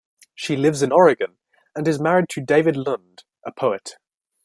She lives in Oregon and is married to David Lunde, a poet.